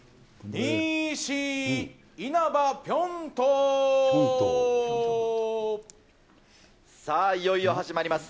西、さあ、いよいよ始まります。